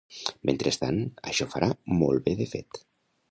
Mentrestant, això farà molt bé de fet.